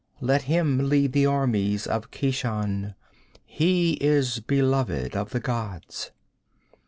Let him lead the armies of Keshan. He is beloved of the gods!'